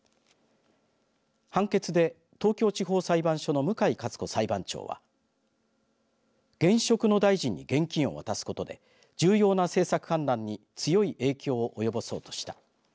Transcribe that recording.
判決で東京地方裁判所の向井香津子裁判長は現職の大臣に現金を渡すことで重要な政策判断に強い影響を及ぼそうとした。